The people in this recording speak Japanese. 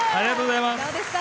どうですか？